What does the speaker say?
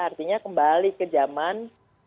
artinya kembali ke zaman